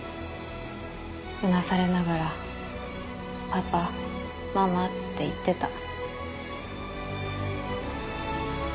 うなされながら「パパママ」って言ってた。